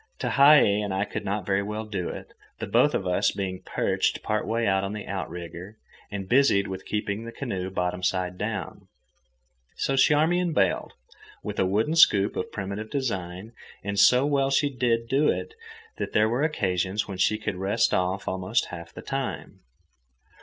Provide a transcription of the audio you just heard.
Tehei and I could not very well do it, the both of us being perched part way out on the outrigger and busied with keeping the canoe bottom side down. So Charmian bailed, with a wooden scoop of primitive design, and so well did she do it that there were occasions when she could rest off almost half the time.